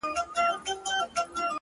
ولاكه مو په كار ده دا بې ننگه ككرۍ ـ